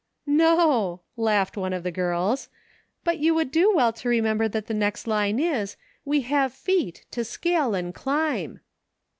"No," laughed one of the girls ; "but you would do well to remember that the next line is, ' We hsiVQ/ee^, to scale and climb.'